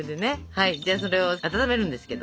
はいじゃあそれを温めるんですけど。